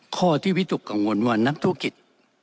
ข้อที่วิตกกังวลว่านักธุรกิจ